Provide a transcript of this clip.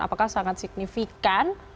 apakah sangat signifikan